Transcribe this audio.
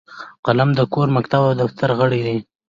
قلم د کور، مکتب او دفتر غړی دی